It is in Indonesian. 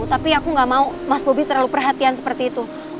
tapi aku gak mau mas bobi terlalu perhatian seperti itu